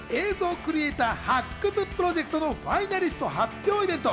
クリエイター発掘プロジェクトのファイナリスト発表イベント。